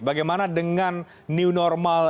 bagaimana dengan new normal